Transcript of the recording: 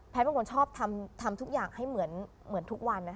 เป็นคนชอบทำทุกอย่างให้เหมือนทุกวัน